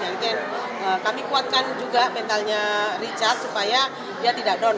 itu yang kami kuatkan juga mentalnya richard supaya dia tidak down